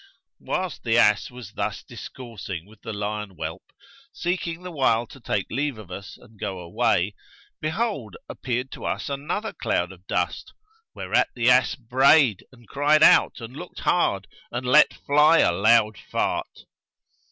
Whilst the ass was thus discoursing with the lion whelp, seeking the while to take leave of us and go away, behold, appeared to us another cloud of dust, whereat the ass brayed and cried out and looked hard and let fly a loud fart[FN#136].